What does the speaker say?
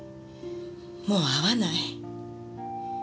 もう会わない。